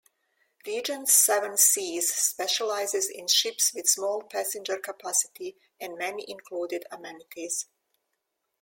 Regent Seven Seas specializes in ships with small passenger capacity and many included amenities.